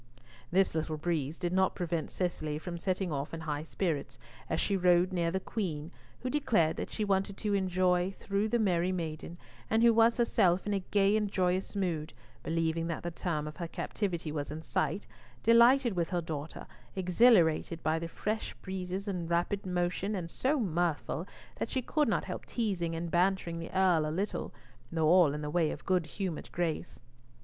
This little breeze did not prevent Cicely from setting off in high spirits, as she rode near the Queen, who declared that she wanted to enjoy through the merry maiden, and who was herself in a gay and joyous mood, believing that the term of her captivity was in sight, delighted with her daughter, exhilarated by the fresh breezes and rapid motion, and so mirthful that she could not help teasing and bantering the Earl a little, though all in the way of good humoured grace.